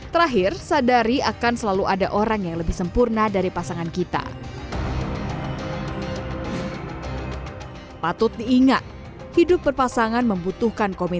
terakhir sadar dan berhati hati